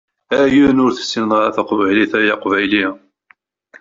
Ayɣeṛ ur tessineḍ ara taqbaylit ay aqbayli?